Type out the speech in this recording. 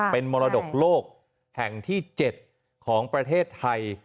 เป็นมรดกโลกแห่งที่๗ของประเทศไทย